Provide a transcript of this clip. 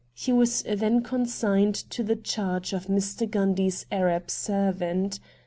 He was then consigned to the charge of Mr. Gundy's Arab servant.